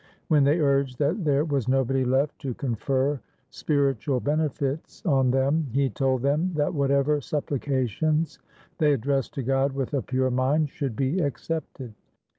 When they urged that there was nobody left to confer spiritual benefits on them, he told them that whatever supplications they addressed to God with a pure mind should be ac cepted.